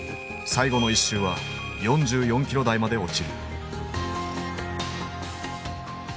最後の１周は４４キロ台まで落ちる。